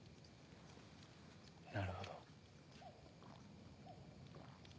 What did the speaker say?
なるほど。